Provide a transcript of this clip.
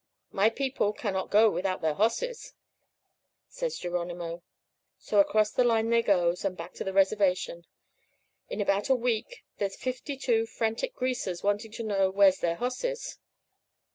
"'My people cannot go without their hosses,' says Geronimo. "So, across the line they goes, and back to the reservation. In about a week there's fifty two frantic Greasers wanting to know where's their hosses.